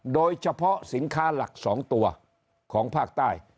โดยเฉพาะสินค้าหลัก๒ตัวของภาคใต้